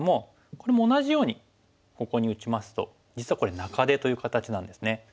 これも同じようにここに打ちますと実はこれ「中手」という形なんですね。